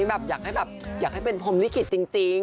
แบบอยากให้แบบเป็นทรงลิขิตจริง